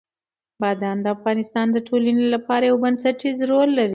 بادام د افغانستان د ټولنې لپاره یو بنسټيز رول لري.